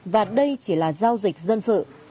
và đây chỉ là giao dịch dân sự